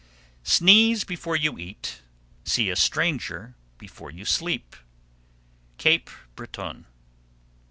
_ 787. Sneeze before you eat, See a stranger before you sleep. _Cape Breton.